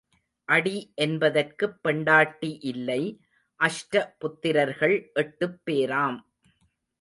அடி என்பதற்குப் பெண்டாட்டி இல்லை அஷ்ட புத்திரர்கள் எட்டுப்பேராம்.